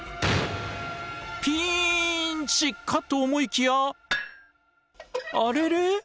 ピンチかと思いきやあれれ？